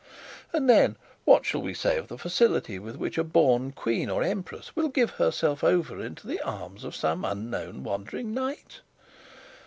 And then, what shall we say of the facility with which a born queen or empress will give herself over into the arms of some unknown wandering knight?